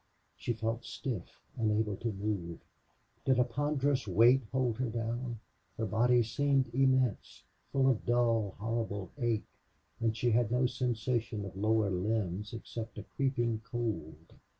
She felt stiff, unable to move. Did a ponderous weight hold her down? Her body seemed immense, full of dull, horrible ache, and she had no sensation of lower limbs except a creeping cold.